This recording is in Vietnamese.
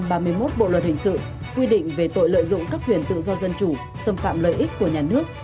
điều ba trăm ba mươi một bộ luật hình sự quy định về tội lợi dụng các quyền tự do dân chủ xâm phạm lợi ích của nhà nước